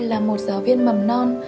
là một giáo viên mầm non